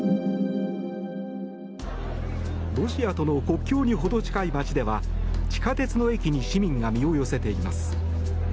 ロシアとの国境にほど近い街では地下鉄の駅に市民が身を寄せています。